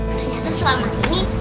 nih ternyata selama ini